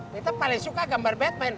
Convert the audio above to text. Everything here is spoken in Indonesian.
kita paling suka gambar batman